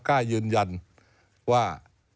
กล้ายืนยันว่า